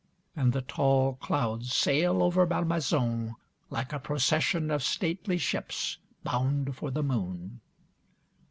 And the tall clouds sail over Malmaison like a procession of stately ships bound for the moon.